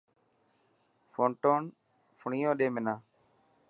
فئنيون ڏي منا.